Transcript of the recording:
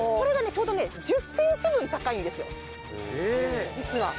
ちょうどね１０センチ分高いんですよ実は。